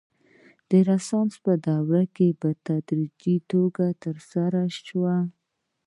رنسانس په اروپا کې په تدریجي توګه ترسره شو.